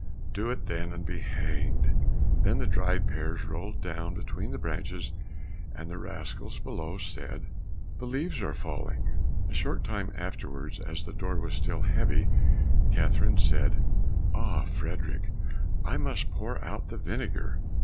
"Do it, then, and be hanged!" Then the dried pears rolled down between the branches, and the rascals below said, "The leaves are falling." A short time afterwards, as the door was still heavy, Catherine said, "Ah, Frederick, I must pour out the vinegar."